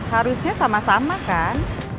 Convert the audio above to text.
harusnya sama sama kan